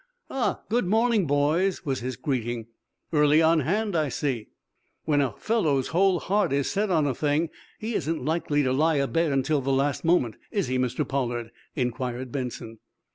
"Ah, good morning, boys," was his greeting. "Early on hand, I see." "When a fellow's whole heart is set on a thing, he isn't likely to lie abed until the last moment, is he, Mr. Pollard?" inquired Benson.